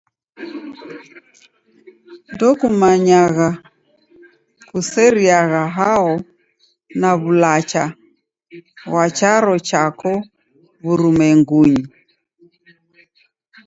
Ndokumanyagha kuseriagha hao na w'ulacha ghwa charo chako w'urumwengunyi.